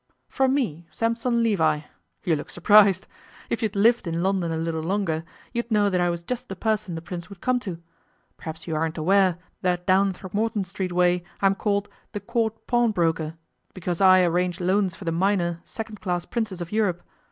'From me, Sampson Levi. You look surprised. If you'd lived in London a little longer, you'd know that I was just the person the Prince would come to. Perhaps you aren't aware that down Throgmorton Street way I'm called "The Court Pawnbroker", because I arrange loans for the minor, second class Princes of Europe.